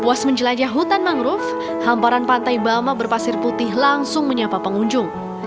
puas menjelajah hutan mangrove hamparan pantai bama berpasir putih langsung menyapa pengunjung